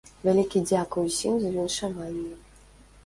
Вялікі дзякуй усім за віншаванні!